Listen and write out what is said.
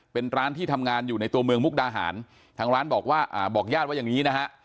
เป็นร้านที่ทำงานอยู่ในตัวเมืองมุกดาหารทางร้านบอกว่าอ่าบอกญาติว่าอย่างนี้นะฮะ